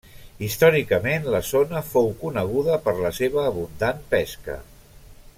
Històricament la zona fou coneguda per la seva abundant pesca.